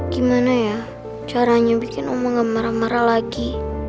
gimana ya caranya bikin omong gak marah marah lagi